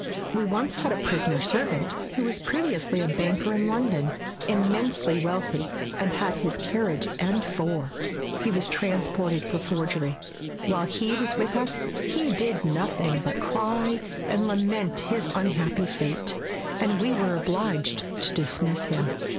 We once had a prisoner servant who was previously a banker in London, immensely wealthy, and had his carriage and four. He was transported for forgery. While he was with us he did nothing but cry and lament his unhappy fate, and we were obliged to dismiss him.